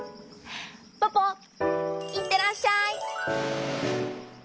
ポポいってらっしゃい！